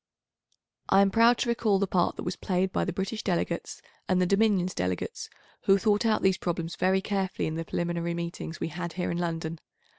I am proud to recall the part that was played by the British delegates and the Dominions delegates, who thought out these problems very carefully in the preliminary meetings we had here in London.